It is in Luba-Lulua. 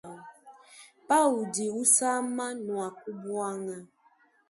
Pawudi usama nuaku buanga.